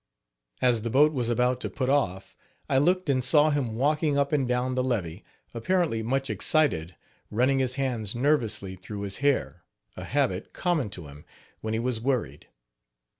As the boat was about to put off, I looked and saw him walking up and down the levee, apparently much excited, running his hands nervously through his hair a habit common to him when he was worried.